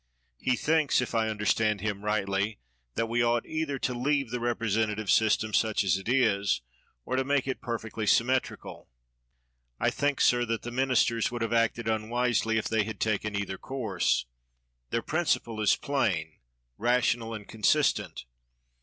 He thinks, if I understand him rightly, that we ought either to leave the rep resentative system such as it is, or to make it perfectly symmetrical. I think, sir, that the ministers would have acted unwisely if they had taken either course. Their principle is plain, rational, and consistent.